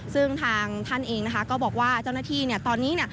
ซึ่งทางท่านเองก็บอกว่าเจ้าหน้าที่ตอนนี้